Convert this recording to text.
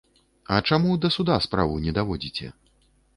А чаму да суда справу не даводзіце?